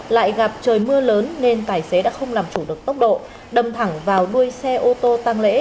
lại gặp trời mưa lớn nên tài xế đã không làm chủ được tốc độ đâm thẳng vào đuôi xe ô tô tăng lễ